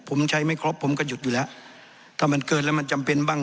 ผมใช้ไม่ครบผมก็หยุดอยู่แล้วถ้ามันเกินแล้วมันจำเป็นบ้าง